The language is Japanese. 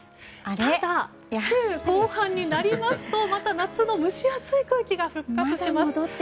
ただ、週後半になりますとまた、夏の蒸し暑い空気が復活します。